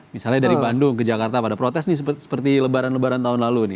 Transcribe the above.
misalnya dari bandung ke jakarta pada protes nih seperti lebaran lebaran tahun lalu ini